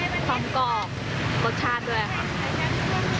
ตัวแป้งแล้วก็ความกรอกรสชาติด้วยครับ